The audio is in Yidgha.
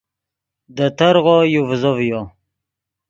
دے ترغو یو ڤیزو ڤیو